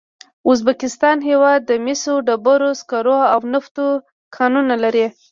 د ازبکستان هېواد د مسو، ډبرو سکرو او نفتو کانونه لري.